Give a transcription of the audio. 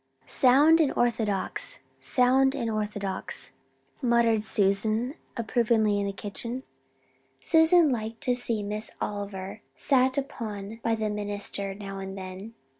"Sound and orthodox sound and orthodox," muttered Susan approvingly in the kitchen. Susan liked to see Miss Oliver sat upon by the minister now and then.